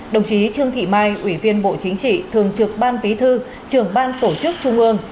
đồng chí trương thị mai ủy viên bộ chính trị thường trực ban bí thư trưởng ban tổ chức trung ương